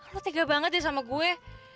lo tega banget deh sama gue